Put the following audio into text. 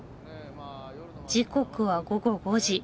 時刻は午後５時。